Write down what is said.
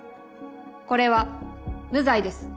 これは無罪です。